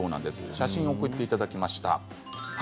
写真を送っていただきました。